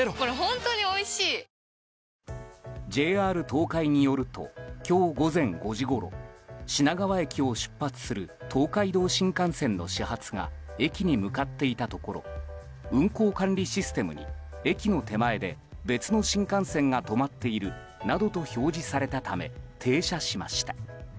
ＪＲ東海によると今日午前５時ごろ品川駅を出発する東海道新幹線の始発が駅に向かっていたところ運行管理システムに駅の手前で別の新幹線が止まっているなどと表示されたため、停車しました。